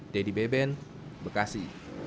dedy beben bekasi